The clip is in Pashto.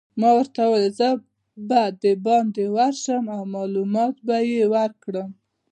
ما ورته وویل: زه به دباندې ورشم او معلومات به يې وکړم.